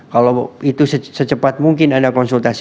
kalau itu secepat mungkin anda konsultasi